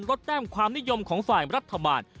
แต้มความนิยมของฝ่ายรัฐบาล